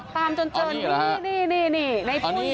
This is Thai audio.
ตามจนเจอนี่นี่ในปุ้ยนี่